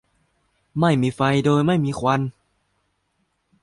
ไม่มีไฟโดยไม่มีควัน